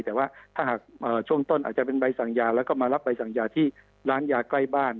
แต่ว่าถ้าหากช่วงต้นอาจจะเป็นใบสั่งยาแล้วก็มารับใบสั่งยาที่ร้านยาใกล้บ้าน